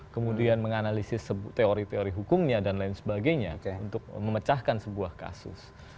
kemudian menganalisis teori teori hukumnya dan lain sebagainya untuk memecahkan sebuah kasus